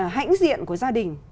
hãnh diện của gia đình